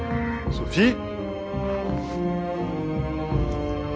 ソフィー？